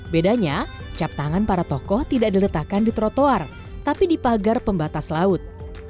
bedanya cap tangan para tokoh tidak diletakkan di trotoar tapi di pagar pembatas laut